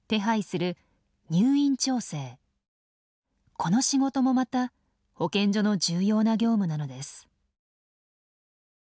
この仕事もまた保健所の重要な業務なのです。